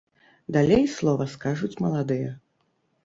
Далей слова скажуць маладыя.